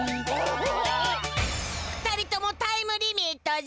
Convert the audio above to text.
２人ともタイムリミットじゃ。